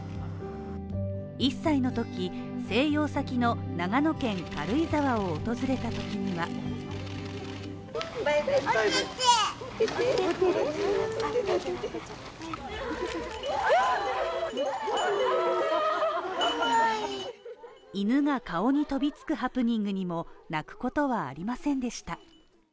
１歳のとき、静養先の長野県軽井沢を訪れた時には犬が顔に飛びつくハプニングにも泣くことはありませんでした。